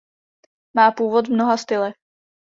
Má původ v mnoha stylech.